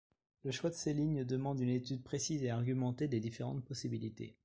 Le choix de ces lignes demande une étude précise et argumentée des différentes possibilités.